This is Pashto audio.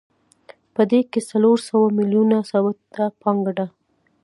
په دې کې څلور سوه میلیونه ثابته پانګه ده